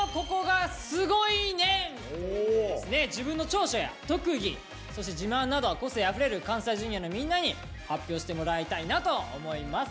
自分の長所や特技そして自慢など個性あふれる関西Ｊｒ．のみんなに発表してもらいたいなと思います。